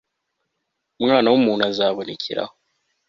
Umwana wu ntu azabonekeraho